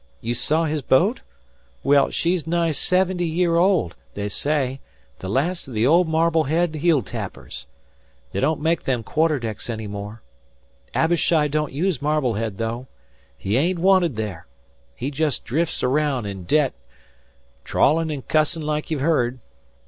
You saw his boat? Well, she's nigh seventy year old, they say; the last o' the old Marblehead heel tappers. They don't make them quarterdecks any more. Abishai don't use Marblehead, though. He ain't wanted there. He jes' drif's araound, in debt, trawlin' an' cussin' like you've heard.